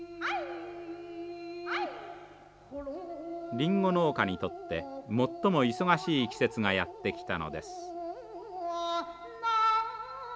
リンゴ農家にとって最も忙しい季節がやって来たのです。